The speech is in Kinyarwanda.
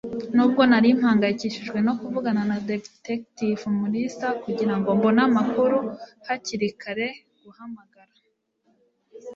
Nubwo nari mpangayikishijwe no kuvugana na Detective Mulisa kugirango mbone amakuru, hakiri kare guhamagara.